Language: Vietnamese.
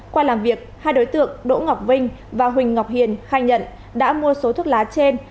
qua làm việc hai đối tượng đỗ ngọc vinh và huỳnh ngọc hiền khai nhận đã mua số thuốc lá trên